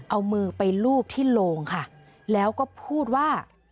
เอามือไปลูบที่โลงค่ะแล้วก็พูดว่า